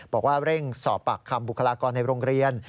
บอกว่าเร่งสอบปากคำบุคลากรในโรงเรียน